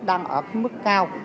đang ở mức cao